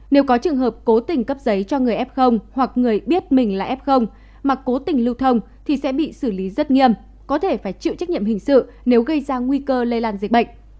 nếu có trường hợp cố tình cấp giấy cho người f hoặc người biết mình là f mà cố tình lưu thông thì sẽ bị xử lý rất nghiêm có thể phải chịu trách nhiệm hình sự nếu gây ra nguy cơ lây lan dịch bệnh